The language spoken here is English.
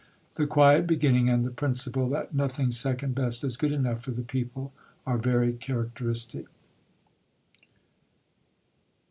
The quiet beginning and the principle that nothing second best is good enough for the people are very characteristic.